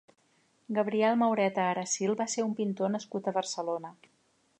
Gabriel Maureta Aracil va ser un pintor nascut a Barcelona.